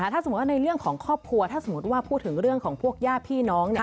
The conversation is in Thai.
ถ้าสมมุติว่าในเรื่องของครอบครัวถ้าสมมุติว่าพูดถึงเรื่องของพวกญาติพี่น้อง